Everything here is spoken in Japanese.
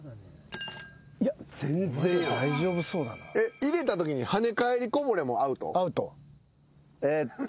入れたときに跳ね返りこぼれもアウト？